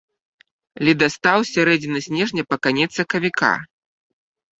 Ледастаў з сярэдзіны снежня па канец сакавіка.